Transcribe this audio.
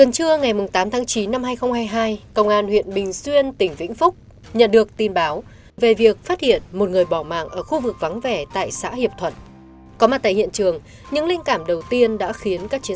các bạn hãy đăng ký kênh để ủng hộ kênh của chúng mình nhé